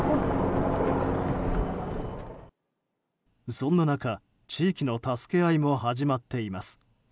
そんな中、地域の助け合いも始まっています。